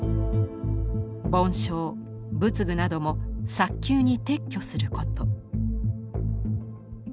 梵鐘仏具なども早急に撤去すること。